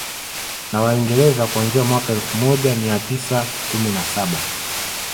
Na Waingereza kuanzia mwaka elfu moja mia tisa kumi na saba